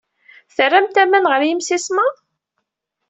Terramt aman ɣer yimsismeḍ?